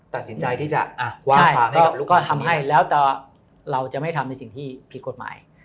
ตัดสินใจที่จะวางความให้กับลูกก็ทำให้แล้วแต่เราจะไม่ทำในสิ่งที่ผิดกฎหมาย